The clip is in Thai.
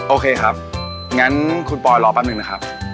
โอเคครับงั้นคุณปอยรอแป๊บหนึ่งนะครับ